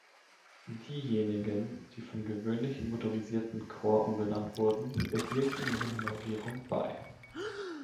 Diejenigen, die von gewöhnlichen motorisierten Korps umbenannt wurden, behielten ihre Nummerierung bei.